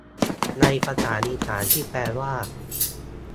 ในภาษาอีสานที่แปลว่า